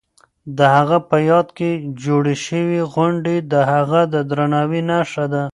د هغه په یاد کې جوړې شوې غونډې د هغه د درناوي نښه ده.